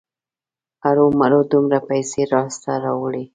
ارومرو دومره پیسې لاسته راوړي.